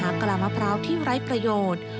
สอหากรามะพร้าวที่ไร้ประโยชน์